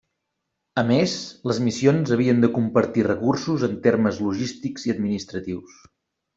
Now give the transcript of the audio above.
A més, les missions havien de compartir recursos en termes logístics i administratius.